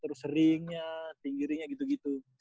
terus ringnya tinggi ringnya gitu gitu